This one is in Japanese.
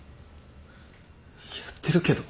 やってるけど。